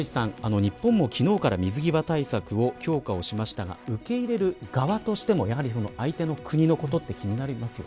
日本も昨日から水際対策を強化をしましたが受け入れる側としてもやはり、相手の国のことは気になりますよね。